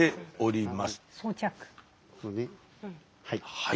はい！